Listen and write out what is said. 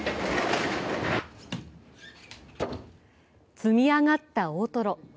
積み上がった大トロ。